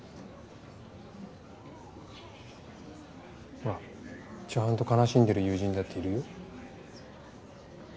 ほらちゃんと悲しんでる友人だっているよ。